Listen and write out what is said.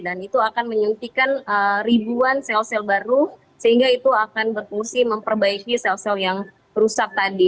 dan itu akan menyuntikan ribuan cell cell baru sehingga itu akan berfungsi memperbaiki cell cell yang rusak tadi